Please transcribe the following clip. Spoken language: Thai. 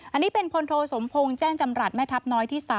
อันนี้เป็นพลโทสมพงศ์แจ้งจำรัฐแม่ทัพน้อยที่๓